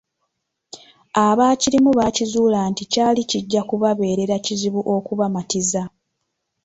Abaakirimu baakizuula nti kyali kijja kubabeerera kizibu okubamattiza